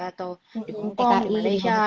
atau di punggung di malaysia